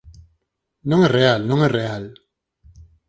Non é real, non é real!